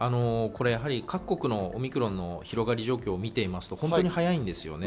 各国のオミクロンの広がり状況を見ていますと本当に早いんですね。